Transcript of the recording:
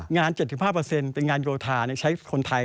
๗๕เป็นงานโยธาใช้คนไทย